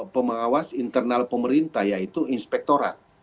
pengawas internal pemerintah yaitu inspektorat